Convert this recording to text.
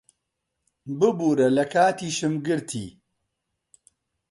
ببوورە لە کاتیشم گرتی.